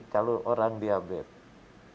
kalau orang diabetes